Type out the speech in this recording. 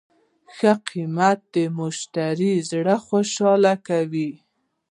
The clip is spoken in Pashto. ښه قیمت د مشتری زړه خوشحاله کوي.